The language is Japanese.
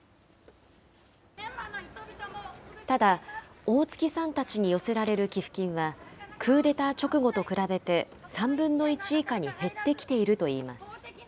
ただ、大槻さんたちに寄せられる寄付金は、クーデター直後と比べて、３分の１以下に減ってきているといいます。